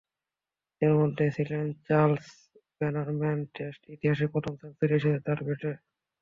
এঁদের মধ্যে ছিলেন চার্লস ব্যানারম্যানও, টেস্ট ইতিহাসে প্রথম সেঞ্চুরি এসেছে যাঁর ব্যাটে।